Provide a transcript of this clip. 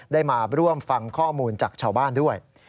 ได้มาร่วมฟังข้อมูลจากชาวบ้านด้วย